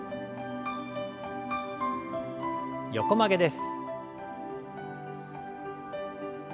横曲げです。